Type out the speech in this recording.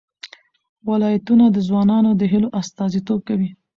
ولایتونه د ځوانانو د هیلو استازیتوب کوي.